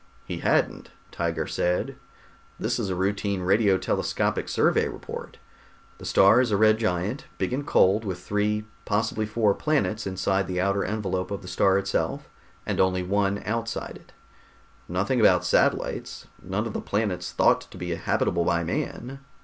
"He hadn't," Tiger said. "This is a routine radio telescopic survey report. The star is a red giant. Big and cold, with three possibly four planets inside the outer envelope of the star itself, and only one outside it. Nothing about satellites. None of the planets thought to be habitable by man.